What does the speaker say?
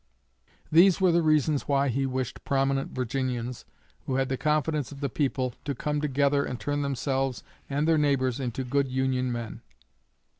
These were the reasons why he wished prominent Virginians who had the confidence of the people to come together and turn themselves and their neighbors into good Union men."